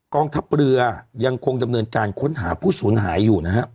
กองทัพเรือยังคงดำเนินการค้นหาผู้สูญหายอยู่นะครับ